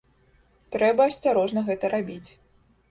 Трэба асцярожна гэта рабіць.